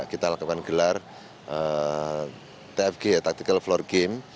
kita lakukan gelar tfg ya taktikal floor game